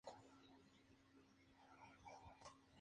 En esta banda tocaría batería.